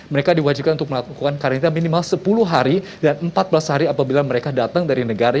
mereka diwajibkan untuk melakukan karantina minimal sepuluh hari dan empat belas hari apabila mereka datang dari negara